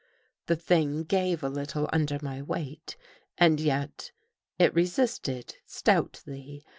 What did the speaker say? ' The thing gave a little under my weight, and yet I it resisted stoutly.